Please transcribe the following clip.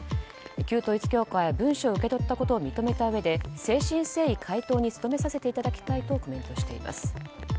旧統一教会は文書を受け取ったことを認めたうえで誠心誠意回答に努めさせていただきたいとコメントしています。